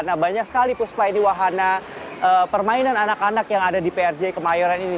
nah banyak sekali puspa ini wahana permainan anak anak yang ada di prj kemayoran ini